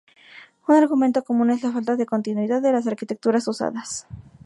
Un argumento común es la falta de continuidad de las arquitecturas usadas.